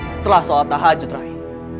setelah soal tahajud rai